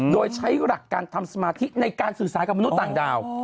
โดยใช้หลักการทำสมาธิในการสื่อสารกับมนุษย์ต่างดาว